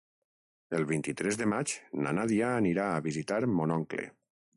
El vint-i-tres de maig na Nàdia anirà a visitar mon oncle.